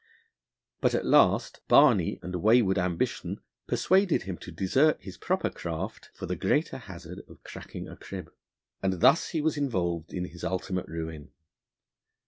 But at last Barney and a wayward ambition persuaded him to desert his proper craft for the greater hazard of cracking a crib, and thus he was involved in his ultimate ruin.